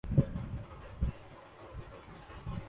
محسوس کرتا ہوں کہ میں چیزوں سے نبرد آزما ہونے کے قابل نہی